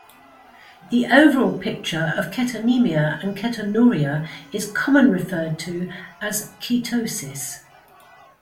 The overall picture of ketonemia and ketonuria is commonly referred as ketosis.